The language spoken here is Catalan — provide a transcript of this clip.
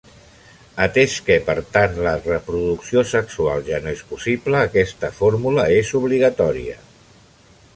Atès que, per tant, la reproducció sexual ja no és possible, aquesta fórmula és obligatòria.